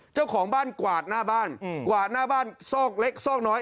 เจ้าของบ้านกวาดหน้าบ้านกวาดหน้าบ้านซอกเล็กซอกน้อย